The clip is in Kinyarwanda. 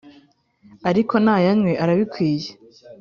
Ariko nayanywe arabikwiye